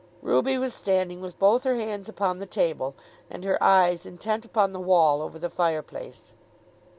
Ruby was standing with both her hands upon the table and her eyes intent upon the wall over the fire place.